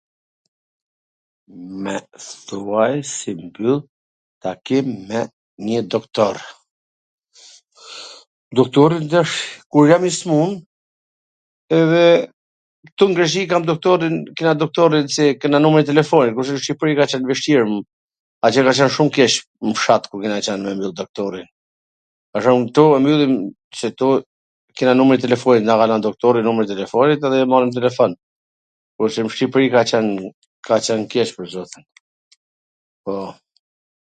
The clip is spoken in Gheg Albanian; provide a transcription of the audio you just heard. Me thuaj si mbyll takim me njw doktor? Doktorin tash, kur jam i smun, edhe ktu n Greqi kam doktorin, kena doktorin se kena numrin e telefonit, kurse n Shqipri ka qwn vwshtir, atje ka qwn shum keq n fshat kur kena qwn me myll doktorin. Pwr shwmbull ktu e mbyllim se ktu kena numrin e telefonit, na ka dhan doktori numrin e telefonit edhe e marr nw telefon, kurse nw Shqipri ka qwn ka qwn keq pwr zotin. Po.